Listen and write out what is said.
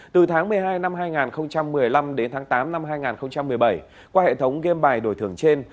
từ tháng một mươi hai năm hai nghìn một mươi năm đến tháng tám năm hai nghìn một mươi bảy qua hệ thống game bài đổi thưởng trên